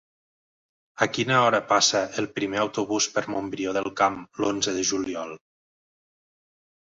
A quina hora passa el primer autobús per Montbrió del Camp l'onze de juliol?